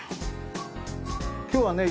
今日はね